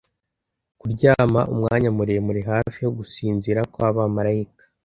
kuryama umwanya muremure hafi yo gusinzira kwabamarayika